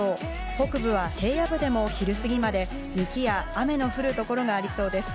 北部は平野部でも昼過ぎまで雪や雨の降る所がありそうです。